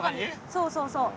そうそうそう。